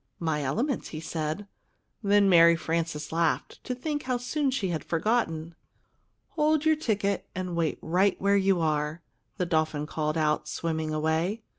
"My element!" he said. Then Mary Frances laughed to think how soon she had forgotten. "Hold your ticket and wait right where you are!" the dolphin called out, swimming away.